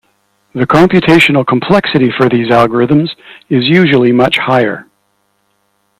The computational complexity for these algorithms is usually much higher.